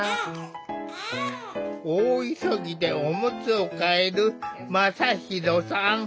大急ぎでおむつを替える真大さん。